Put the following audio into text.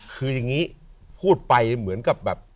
คืออย่างนี้พูดไปเหมือนกับแบบ